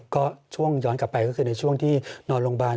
ก็ช่วงย้อนกลับไปก็คือในช่วงที่นอนโรงพยาบาล